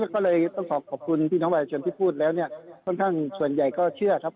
ก็เลยต้องขอขอบคุณพี่น้องประชาชนที่พูดแล้วเนี่ยค่อนข้างส่วนใหญ่ก็เชื่อครับ